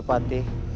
kami mau melaporkan